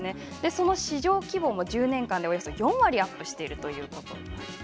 その市場規模も１０年間でおよそ４割アップしてるということなんです。